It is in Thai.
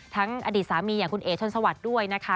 อดีตสามีอย่างคุณเอ๋ชนสวัสดิ์ด้วยนะคะ